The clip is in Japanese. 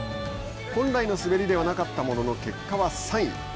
本来の滑りではなかったものの結果は３位。